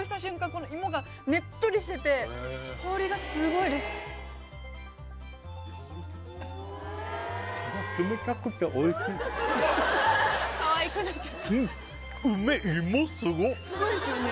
この芋がねっとりしてて香りがすごいですかわいくなっちゃったすごいですよね